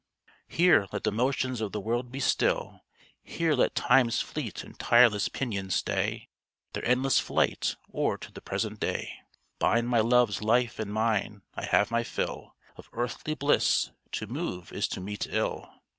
Here let the motions of the world be still! Here let Time's fleet and tireless pinions stay Their endless flight! or to the present day Bind my Love's life and mine. I have my fill Of earthly bliss: to move is to meet ill.